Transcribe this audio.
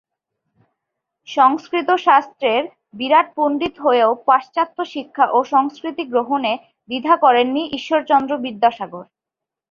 সংস্কৃত শাস্ত্রের বিরাট পণ্ডিত হয়েও পাশ্চাত্য শিক্ষা ও সংস্কৃতি গ্রহণে দ্বিধা করেননি ঈশ্বরচন্দ্র বিদ্যাসাগর।